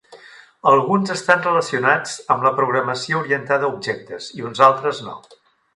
Alguns estan relacionats amb la programació orientada a objectes i uns altres no.